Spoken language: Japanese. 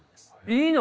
いいの？